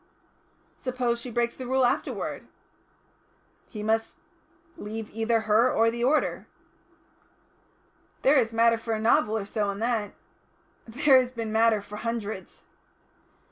"Suppose she breaks the Rule afterwards?" "He must leave either her or the order." "There is matter for a novel or so in that." "There has been matter for hundreds."